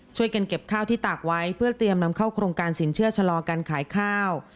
ช่วยกันเก็บข้าวที่ตากไว้เพื่อเตรียมนำเข้าโครงการสินเชื่อชะลอการขายข้าว